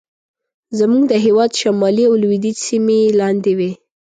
زموږ د هېواد شمالي او لوېدیځې سیمې یې لاندې وې.